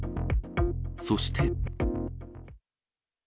そして。